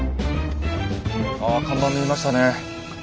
あ看板見えましたね。